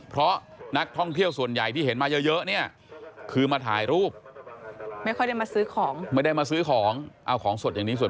เพราะนักท่องเที่ยวส่วนใหญ่ที่เห็นมาเยอะเนี่ย